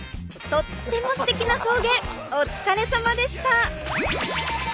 とってもすてきな送迎お疲れさまでした！